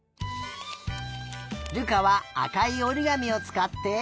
瑠珂はあかいおりがみをつかって。